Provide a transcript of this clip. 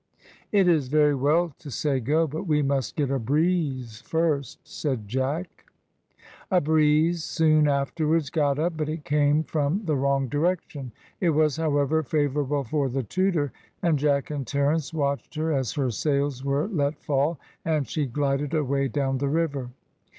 "It is very well to say go, but we must get a breeze first," said Jack. A breeze soon afterwards got up, but it came from the wrong direction; it was, however, favourable for the Tudor, and Jack and Terence watched her as her sails were let fall, and she glided away down the river.